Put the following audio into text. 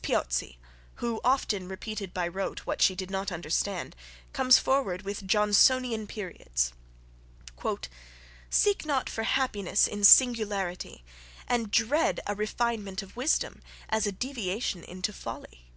Piozzi, who often repeated by rote, what she did not understand, comes forward with Johnsonian periods. "Seek not for happiness in singularity; and dread a refinement of wisdom as a deviation into folly."